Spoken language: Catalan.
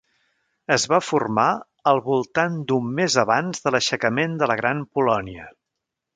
Es va formar al voltant d'un mes abans de l'aixecament de la Gran Polònia.